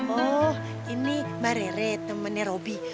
oh ini mbak rere temannya robi